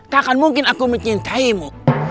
takkan mungkin aku mencintaimu